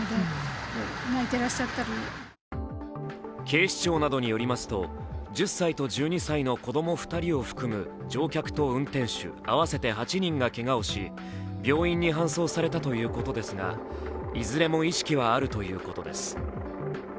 警視庁などによりますと、１０歳と１２歳の子供２人を含む乗客と運転手合わせて８人がけがをし病院に搬送されたということですが、いずれも意識はあるということです。